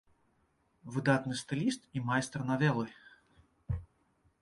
Выдатны стыліст і майстар навелы.